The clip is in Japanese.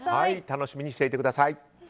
楽しみにしていてください。